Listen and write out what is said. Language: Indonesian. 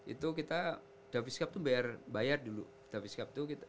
itu kita davids cup tuh bayar dulu